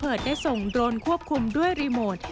เบอร์ได้ส่งโรนควบคุมด้วยรีโหมท